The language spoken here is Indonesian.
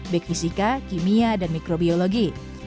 baik fisika kimia dan mikrobiologi